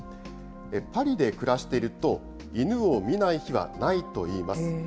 パリで暮らしていると、犬を見ない日はないといいます。